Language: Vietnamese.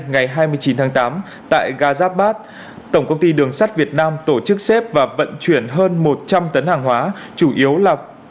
ngày hai mươi chín tháng tám tại gazabat tổng công ty đường sắt việt nam tổ chức xếp và vận chuyển hơn một trăm linh tấn hàng hóa